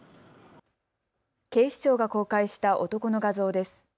警視庁が公開した男の画像です。